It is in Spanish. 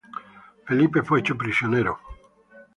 Felipe fue hecho prisionero y fue torturado.